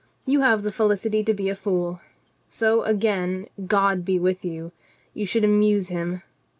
You have the felicity to be a fool. So again, God be with you. You should amuse Him.